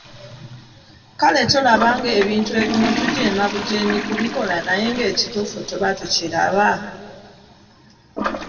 Kale tolaba ng'ebintu ebimu tujeemabujeemi kubikola naye ng'ekituufu tuba tukiraba?